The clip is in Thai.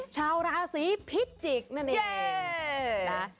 ชาวราศีพิจิกนั่นเอง